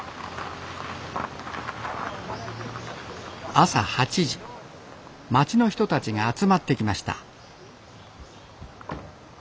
朝８時町の人たちが集まってきました